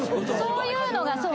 そういうのが。